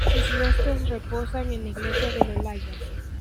Sus restos reposan en la iglesia del Olaya.